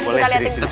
boleh sini sini